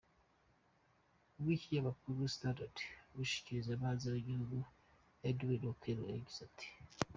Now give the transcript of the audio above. Kubw'ikinyamakuru Standard, umushikirizamanza w'igihugu Edwin Okello yagize ati:.